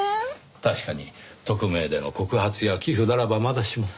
確かに匿名での告発や寄付ならばまだしも。